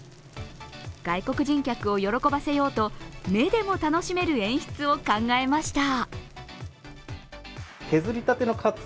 外国人客を喜ばせようと目でも楽しめる演出を考えました。